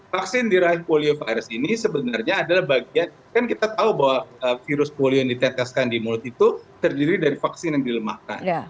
vaksin di rahim polio virus ini sebenarnya adalah bagian kan kita tahu bahwa virus polio yang diteteskan di mulut itu terdiri dari vaksin yang dilemahkan